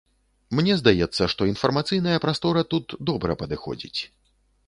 Мне здаецца, што інфармацыйная прастора тут добра падыходзіць.